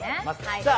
さあ